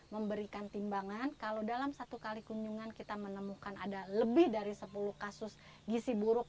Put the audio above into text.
memberikan timbangan kalau dalam satu kali kunjungan kita menemukan ada lebih dari sepuluh kasus gisi buruk